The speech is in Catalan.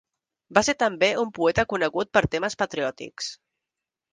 Va ser també un poeta conegut per temes patriòtics.